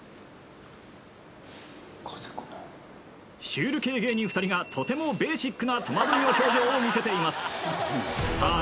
シュール系芸人２人がとてもベーシックな戸惑いの表情を見せていますさあ